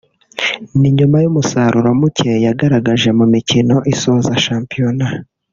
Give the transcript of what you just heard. ni nyuma y’umusaruro muke yagaragaje mu mikino isoza Shampiyona